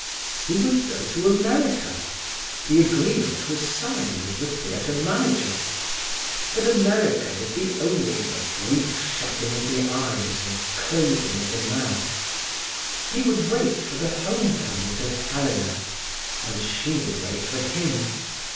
He would go to America; the agreement was signed with the theatre manager. But America would be only a brief shutting of the eyes and closing of the mouth. He would wait for the home coming to Helena, and she would wait for him.